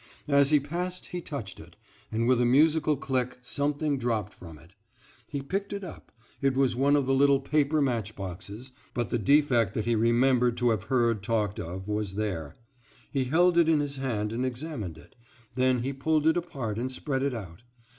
As he passed he touched it, and with a musical click something dropped from it. He picked it up: it was one of the little paper match boxes, but the defect that he remembered to have heard talked of was there. He held it in his hand and examined it; then he pulled it apart and spread it out.